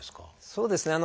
そうですね。